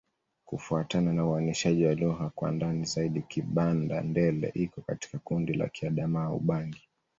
Kufuatana na uainishaji wa lugha kwa ndani zaidi, Kibanda-Ndele iko katika kundi la Kiadamawa-Ubangi.